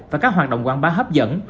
và các hoạt động quảng bá hấp dẫn